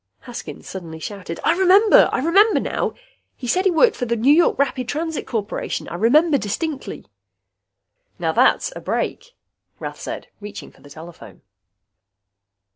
Haskins suddenly shouted, "I remember! I remember now! He said he worked for the New York Rapid Transit Corporation! I remember distinctly!" "That's a break," Rath said, reaching for the telephone.